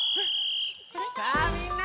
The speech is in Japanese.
さあみんな！